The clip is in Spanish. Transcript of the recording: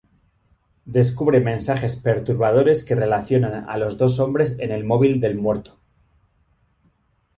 Descubre mensajes perturbadores que relacionan a los dos hombres en el móvil del muerto.